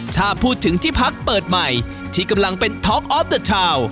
ถ้าพูดถึงที่พักเปิดใหม่ที่กำลังเป็นท็อกออฟเตอร์ชาว